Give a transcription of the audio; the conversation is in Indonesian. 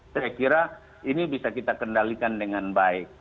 saya kira ini bisa kita kendalikan dengan baik